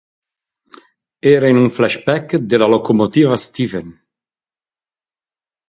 Era in un flashback della locomotiva Stephen.